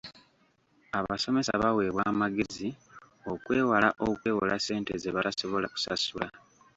Abasomesa baweebwa amagezi okwewala okwewola ssente ze batasobola kusasula.